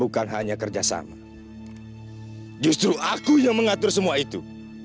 bukan hanya kerjasama justru aku yang mengatur semua itu